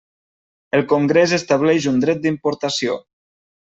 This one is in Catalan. El Congrés estableix un dret d'importació.